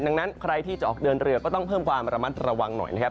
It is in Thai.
ดังนั้นใครที่จะออกเดินเรือก็ต้องเพิ่มความระมัดระวังหน่อยนะครับ